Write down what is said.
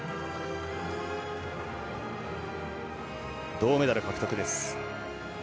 銅メダル獲得です。